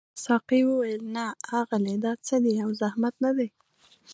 ساقي وویل نه اغلې دا څه دي او زحمت نه دی.